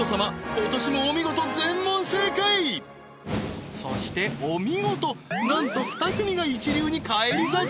今年もお見事全問正解そしてお見事なんと２組が一流に返り咲き